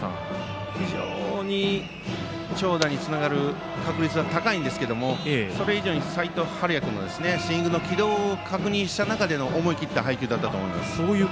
非常に長打につながる確率は高いんですけれどもそれ以上に齋藤敏哉君のスイングの軌道を確認した中での思い切った配球だと思います。